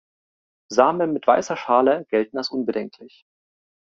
Samen mit weißer Schale gelten als unbedenklich.